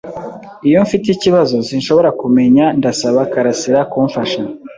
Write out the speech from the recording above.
Iyo mfite ikibazo sinshobora kumenya, ndasaba karasira kumfasha.